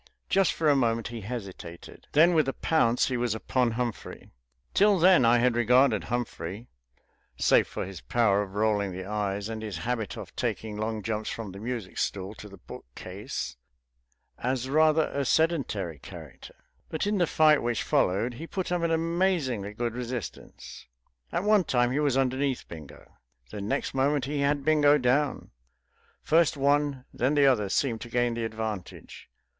Just for a moment he hesitated. Then with a pounce he was upon Humphrey. Till then I had regarded Humphrey save for his power of rolling the eyes and his habit of taking long jumps from the music stool to the book case as rather a sedentary character. But in the fight which followed he put up an amazingly good resistance. At one time he was underneath Bingo; the next moment he had Bingo down; first one, then the other, seemed to gain the advantage.